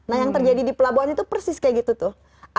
nah yang terjadi di pelabuhan itu persis kayak gitu tuh